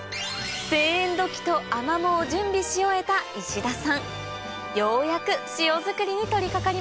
製塩土器とアマモを準備し終えた石田さん